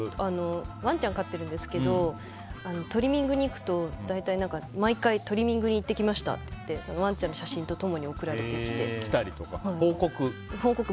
ワンちゃん飼ってるんですけどトリミングに行くと大体毎回トリミングに行ってきましたってワンちゃんの写真と共に報告？